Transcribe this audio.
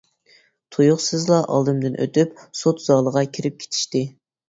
تۇيۇقسىزلا ئالدىمدىن ئۆتۈپ سوت زالىغا كىرىپ كېتىشتى.